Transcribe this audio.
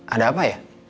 ada apa ya